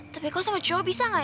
tapi kau sama cowok bisa gak ya